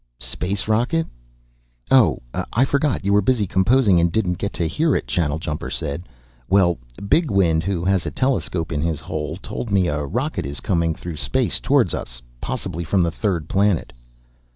"Space rocket?" "Oh, I forgot you were busy composing and didn't get to hear about it," Channeljumper said. "Well, Bigwind, who has a telescope in his hole, told me a rocket is coming through space toward us, possibly from the third planet."